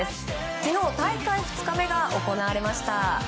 昨日大会２日目が行われました。